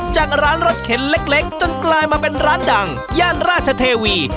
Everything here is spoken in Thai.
จากร้านรถเข็นเล็กจนกลายมาเป็นร้านดังย่านราชเทวี